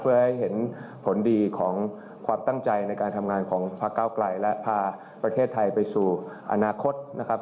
เพื่อให้เห็นผลดีของความตั้งใจในการทำงานของพระเก้าไกลและพาประเทศไทยไปสู่อนาคตนะครับ